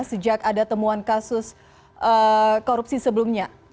sejak ada temuan kasus korupsi sebelumnya